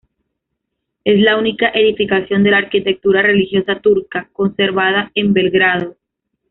Es la única edificación de la arquitectura religiosa turca conservada en Belgrado.